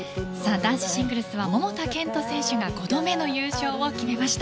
男子シングルスは桃田賢斗選手が５度目の優勝を決めました。